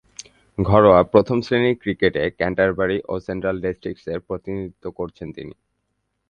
ঘরোয়া প্রথম-শ্রেণীর ক্রিকেটে ক্যান্টারবারি ও সেন্ট্রাল ডিস্ট্রিক্টসের প্রতিনিধিত্ব করেছেন তিনি।